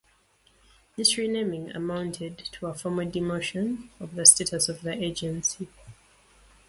This renaming amounted to a formal demotion of the status of the agency.